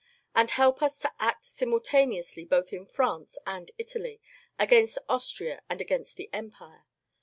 And help us to act simultaneously both in France and Italy, against Austria and against the Empire.